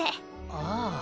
ああ。